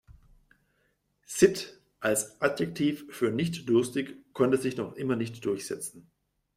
Sitt als Adjektiv für nicht-durstig konnte sich noch immer nicht durchsetzen.